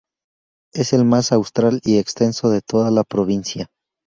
Es el más austral y extenso de toda la provincia.